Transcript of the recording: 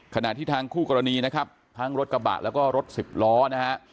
ขณะที่ทางคู่กรณีนะครับทั้งรถกระบะแล้วก็รถสิบล้อนะฮะ